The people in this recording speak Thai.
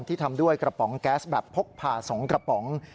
ทำด้วยกระป๋องแก๊สแบบพกผ่า๒กระป๋อง